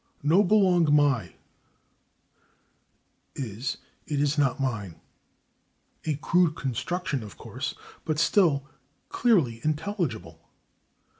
"No belong /my/" is "it is not /mine/" a crude construction, of course, but still clearly intelligible.